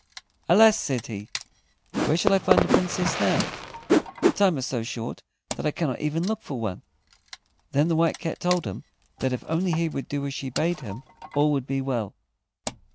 "Alas!" said he, "where shall I find a Princess now? The time is so short that I cannot even look for one." Then the White Cat told him that if only he would do as she bade him all would be well.